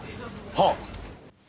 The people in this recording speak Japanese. はっ！